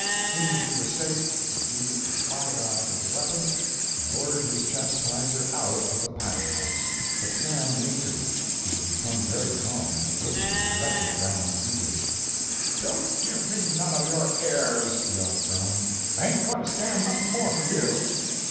Seeing she was safe, he seized a spy glass as a weapon and ordered his chastiser out of the pilot house. But Sam lingered. He had become very calm, and he openly corrected Brown's English. "Don't give me none of your airs!" yelled Brown. "I ain't goin' to stand nothin' more from you!"